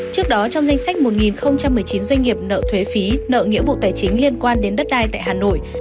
trước đó trong danh sách một một mươi chín doanh nghiệp nợ thuế phí nợ nghĩa vụ tài chính liên quan đến đất đai tại hà nội